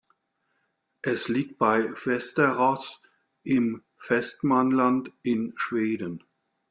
Es liegt bei Västerås im Västmanland in Schweden.